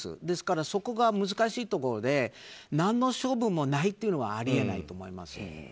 ですから、そこが難しいところで何の処分もないというのはあり得ないと思います。